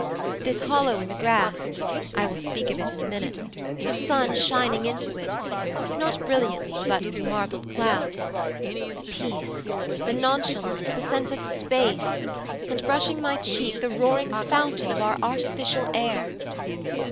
This hollow in the grass I will speak of it in a minute, the sun shining into it, not brilliantly but through marbled clouds, the peace, the nonchalance, the sense of space, and, brushing my cheek, the roaring fountain of our artificial air!